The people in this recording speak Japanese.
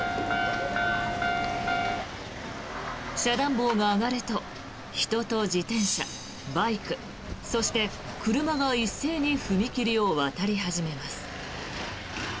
遮断棒が上がると人と自転車、バイク、そして車が一斉に踏切を渡り始めます。